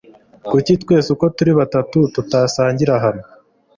Kuki twese uko turi batatu tutasangira hamwe?